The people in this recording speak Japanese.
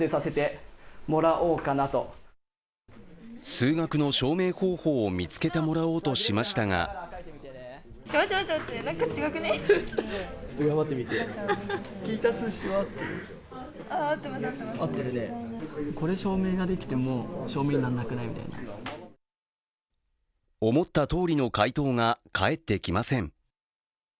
数学の証明方法を見つけてもらおうとしましたが思ったとおりの回答が返ってきません。